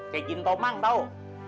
kayak gin tomang tau